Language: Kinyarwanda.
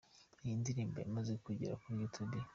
Iyi ndirimbo yamaze kugera kuri Youtube.